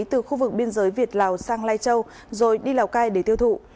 từ khu vực biên giới việt lào sang lai châu rồi đi lào cai để tiêu thụ